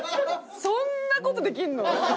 そんな事できるの？